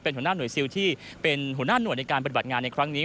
หัวหน้าหน่วยซิลที่เป็นหัวหน้าหน่วยในการปฏิบัติงานในครั้งนี้